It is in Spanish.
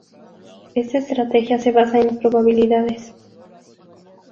Esta estrategia se basa en las probabilidades.